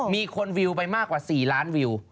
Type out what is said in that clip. มีคนวิวไปมากกว่า๔ล้านวิว